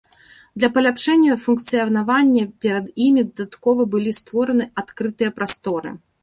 Для паляпшэння функцыянавання перад імі дадаткова былі створаны адкрытыя прасторы.